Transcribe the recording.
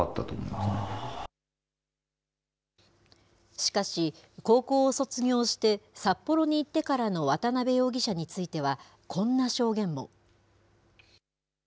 しかし、高校を卒業して札幌に行ってからの渡邉容疑者については、こんな証言も。